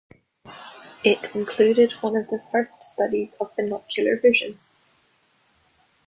It included one of the first studies of binocular vision.